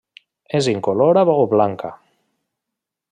És incolora o blanca.